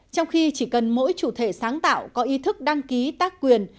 trong khi chỉ cần mỗi chủ thể sáng tạo có ý thức đăng ký tác quyền